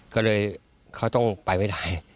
ก็เลยเขาต้องไปไม่ได้